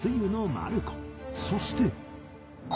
そして